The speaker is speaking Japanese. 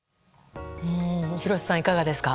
廣瀬さん、いかがですか？